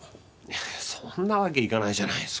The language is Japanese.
いやそんなわけいかないじゃないですか。